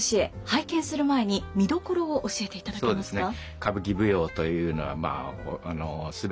拝見する前に見どころを教えていただけますか。